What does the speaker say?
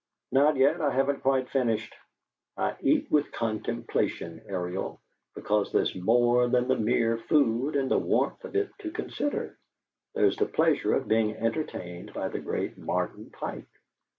"Not yet. I haven't quite finished. I eat with contemplation, Ariel, because there's more than the mere food and the warmth of it to consider. There's the pleasure of being entertained by the great Martin Pike.